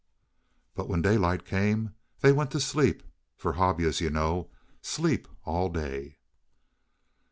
But when daylight came, they went to sleep, for Hobyahs, you know, sleep all day.